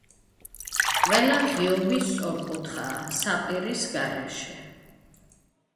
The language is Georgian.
ყველა ღიობი სწორკუთხაა, საპირის გარეშე.